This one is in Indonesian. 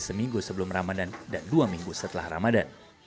seminggu sebelum ramadan dan dua minggu setelah ramadan